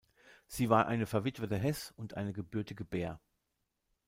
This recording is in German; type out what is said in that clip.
Sie war eine verwitwete Hess und eine gebürtige Bär.